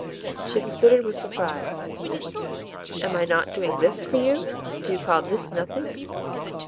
She considered with surprise. "Am I not doing THIS for you? Do you call this nothing?"